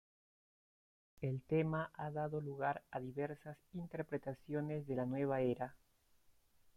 El tema ha dado lugar a diversas interpretaciones de la nueva era.